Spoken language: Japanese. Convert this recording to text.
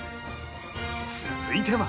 続いては